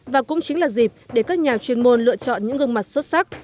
và cũng chính là dịp để các nhà chuyên môn lựa chọn những gương mặt xuất sắc